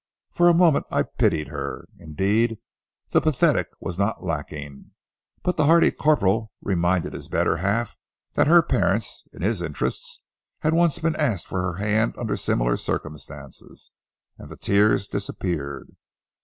For a moment I pitied her. Indeed, the pathetic was not lacking. But the hearty corporal reminded his better half that her parents, in his interests, had once been asked for her hand under similar circumstances, and the tears disappeared.